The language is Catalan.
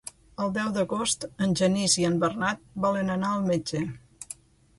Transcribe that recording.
El deu d'agost en Genís i en Bernat volen anar al metge.